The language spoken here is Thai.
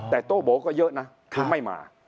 แต่โต๊ะโบ๊คก็เยอะนะไม่มา